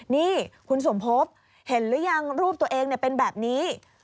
นี่คุณสมภพเห็นหรือยังรูปตัวเองเป็นแบบนี้